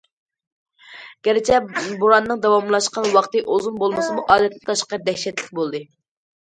گەرچە بوراننىڭ داۋاملاشقان ۋاقتى ئۇزۇن بولمىسىمۇ، ئادەتتىن تاشقىرى دەھشەتلىك بولدى.